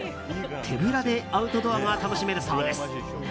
手ぶらでアウトドアが楽しめるそうです。